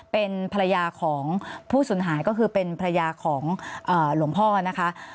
เป็นภรรยาของผู้สูญหายก็คือเป็นภรรยาของหลวงพ่อนะคะ